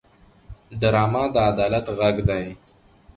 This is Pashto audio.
ډرامه د عدالت غږ دی